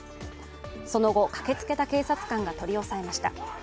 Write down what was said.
その後、駆けつけた警察官が取り押さえました。